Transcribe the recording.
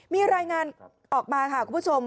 มีรายงานออกมาค่ะคุณผู้ชม